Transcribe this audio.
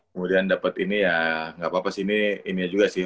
kemudian dapat ini ya nggak apa apa sih ini juga sih